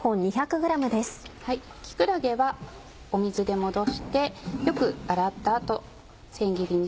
木くらげは水でもどしてよく洗った後千切りにします。